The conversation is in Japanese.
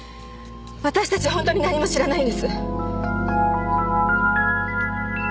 私たちは本当に何も知らないんです。